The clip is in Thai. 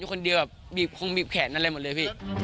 อยู่คนเดียวก็คงบีบแขนนั่นแหละหมดเลย